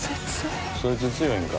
そいつ強いんか？